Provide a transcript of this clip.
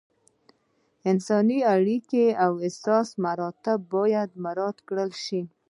انساني اړیکې او سلسله مراتب باید مراعت کړل شي.